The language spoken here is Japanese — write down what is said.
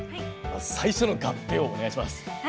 最初のがっぺお願いします。